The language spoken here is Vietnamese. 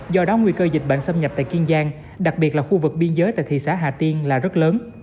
do đó nguy cơ dịch bệnh xâm nhập tại kiên giang đặc biệt là khu vực biên giới tại thị xã hà tiên là rất lớn